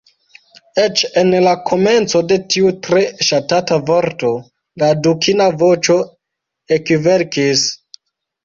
Eĉ en la komenco de tiu tre ŝatata vorto, la dukina voĉo ekvelkis.